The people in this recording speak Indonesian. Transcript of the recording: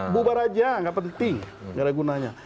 bubar saja tidak penting